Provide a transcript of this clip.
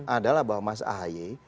adalah bahwa mas ahi